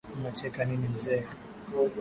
Unacheka nini mzee?